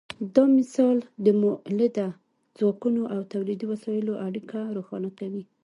دا مثال د مؤلده ځواکونو او تولیدي وسایلو اړیکه روښانه کوي.